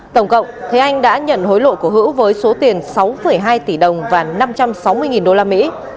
tổng cộng thế anh đã nhận hối lộ của hữu với số tiền sáu hai tỷ đồng và năm trăm sáu mươi đô la mỹ